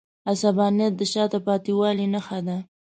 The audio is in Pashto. عصبانیت د شاته پاتې والي نښه ده.